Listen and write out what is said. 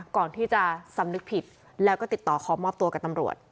ก่อนที่จะสำนึกผิดแล้วก็ติดต่อขอมอบตัวกับตำรวจ